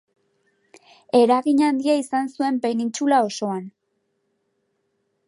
Eragin handia izan zuen Penintsula osoan.